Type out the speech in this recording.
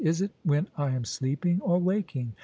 * Is it when I am sleeping or waking